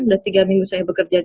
udah tiga minggu saya bekerja